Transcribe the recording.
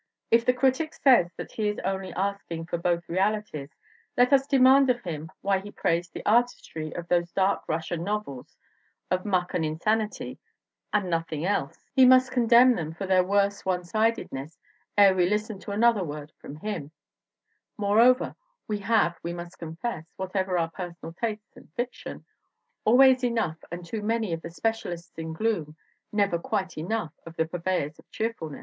And if the critic says that he is only asking for "both realities" let us demand of him why he praised the "artistry" of those dark Russian novels of muck and insanity and nothing else. He must condemn them for their worse one sidedness ere we listen to another word from him. Moreover, we have, we must confess, whatever our personal tastes in fiction, always enough and too many of the special ists in gloom; never quite enough of the purveyors of cheerfulness.